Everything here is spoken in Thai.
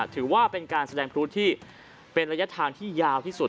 ถือว่าเป็นการแสดงพลุที่เป็นระยะทางที่ยาวที่สุด